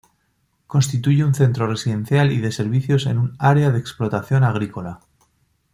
Constituye un centro residencial y de servicios en un área de explotación agrícola.